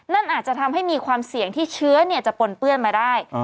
นั่นอาจจะทำให้มีความเสี่ยงที่เชื้อจะปนเปื้อนมาได้